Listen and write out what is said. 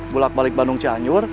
gulak balik bandung cianyur